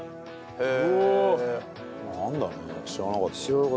へえ。